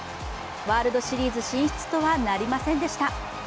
ワールドシリーズ進出とはなりませんでした。